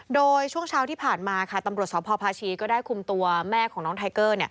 โดยช่วงเช้าที่ผ่านมาค่ะตำรวจสพพาชีก็ได้คุมตัวแม่ของน้องไทเกอร์